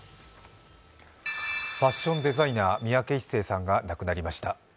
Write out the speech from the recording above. ファッションデザイナー・三宅一生さんが亡くなりました。